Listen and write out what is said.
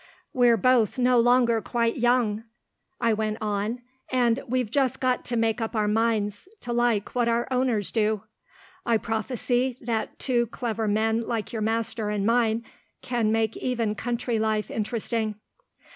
"We're both no longer quite young," I went on, "and we've just got to make up our minds to like what our owners do. I prophesy that two clever men like your master and mine can make even country life interesting."